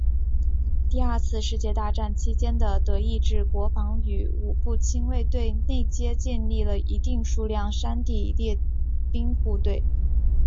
第二次世界大战期间的德意志国防军与武装亲卫队内皆建立了一定数量的山地猎兵部队。